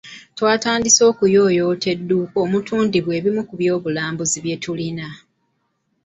Twatandise okuyooyoota edduuka omutundirwa ebimu ku by’obulambuzi byetulina.